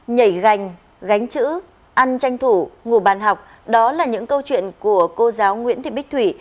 nhảy gành gánh chữ ăn tranh thủ ngủ bàn học đó là những câu chuyện của cô giáo nguyễn thị bích thủy